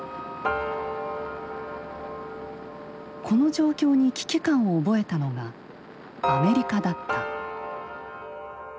この状況に危機感を覚えたのがアメリカだった。